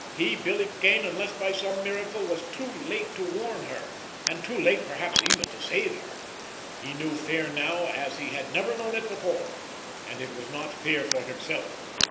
He, Billy Kane, unless by some miracle, was too late to warn her—and too late perhaps even to save her. He knew fear now as he had never known it before, but it was not fear for himself.